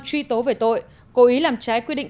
truy tố về tội cố ý làm trái quy định